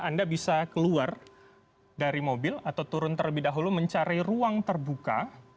anda bisa keluar dari mobil atau turun terlebih dahulu mencari ruang terbuka